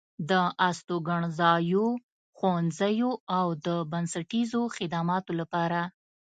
د استوګنځايو، ښوونځيو او د بنسټيزو خدماتو لپاره